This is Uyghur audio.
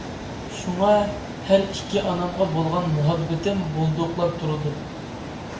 شۇڭا، ھەر ئىككى ئانامغا بولغان مۇھەببىتىم بۇلدۇقلاپ تۇرىدۇ.